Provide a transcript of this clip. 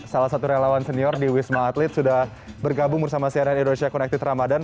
salah satu relawan senior di wisma atlet sudah bergabung bersama cnn indonesia connected ramadan